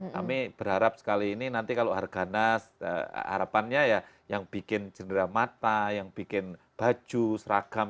kami berharap sekali ini nanti kalau harganas harapannya ya yang bikin cendera mata yang bikin baju seragam